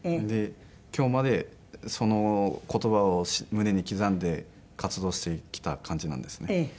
で今日までその言葉を胸に刻んで活動してきた感じなんですね。